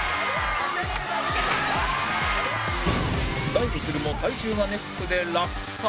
ダイブするも体重がネックで落下